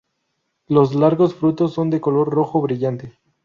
Los largos frutos son de color rojo brillante.